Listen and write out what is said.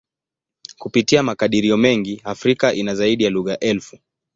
Kupitia makadirio mengi, Afrika ina zaidi ya lugha elfu.